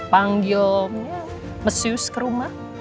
panggil masseuse ke rumah